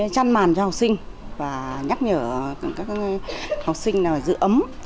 chăn màn cho học sinh và nhắc nhở các học sinh giữ ấm